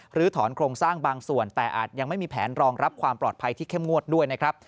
หรือถอนโครงสร้างบางส่วนแต่อาจยังไม่มีแผนรองรับความปลอดภัยที่เข้มงวดด้วยนะครับ